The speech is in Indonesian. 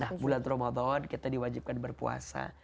nah bulan ramadan kita diwajibkan berpuasa